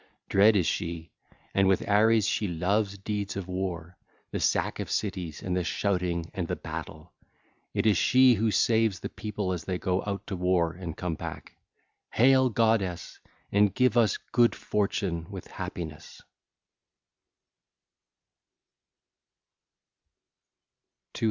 Dread is she, and with Ares she loves deeds of war, the sack of cities and the shouting and the battle. It is she who saves the people as they go out to war and come back. (l. 5) Hail, goddess, and give us good fortune with happiness!